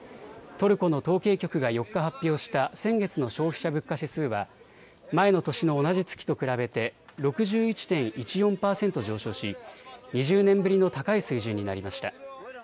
トルコの統計局が４日、発表した先月の消費者物価指数は前の年の同じ月と比べて６１．１４％上昇し２０年ぶりの高い水準になりました。